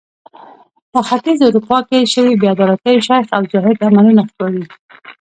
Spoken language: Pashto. په ختیځه اروپا کې شوې بې عدالتۍ شیخ او زاهد عملونه ښکاري.